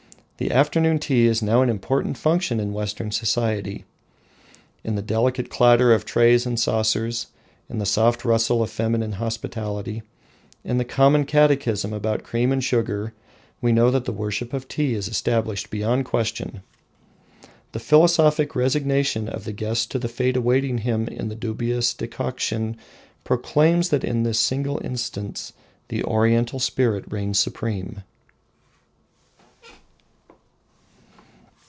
The afternoon tea is now an important function in Western society. In the delicate clatter of trays and saucers, in the soft rustle of feminine hospitality, in the common catechism about cream and sugar, we know that the Worship of Tea is established beyond question. The philosophic resignation of the guest to the fate awaiting him in the dubious decoction proclaims that in this single instance the Oriental spirit reigns supreme.